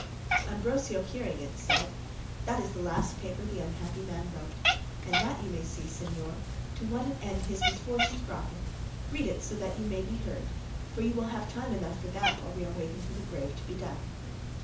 Ambrosio hearing it said, "That is the last paper the unhappy man wrote; and that you may see, señor, to what an end his misfortunes brought him, read it so that you may be heard, for you will have time enough for that while we are waiting for the grave to be dug."